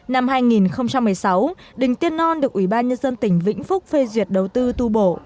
năm hai nghìn một mươi sáu đình tiên non được ủy ban nhân dân tỉnh vĩnh phúc phê duyệt đầu tư tu bổ